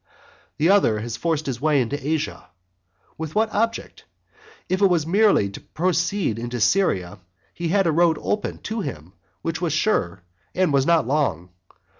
The other has forced his way into Asia. With what object? If it was merely to proceed into Syria, he had a road open to him which was sure, and was not long.